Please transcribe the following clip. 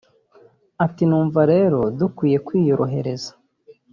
Ati” Numva rero dukwiye kwiyorohereza